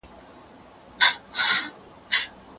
تاسو په انټرنیټ کې د خپلو بانکي حسابونو معلومات چا ته مه ورکوئ.